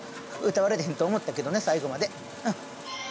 歌われへんと思ったけどね最後まで。